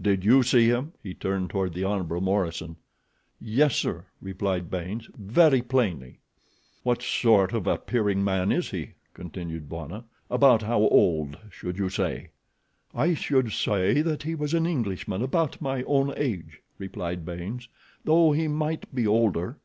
"Did you see him?" He turned toward the Hon. Morison. "Yes, sir," replied Baynes; "very plainly." "What sort of appearing man is he?" continued Bwana. "About how old, should you say?" "I should say he was an Englishman, about my own age," replied Baynes; "though he might be older.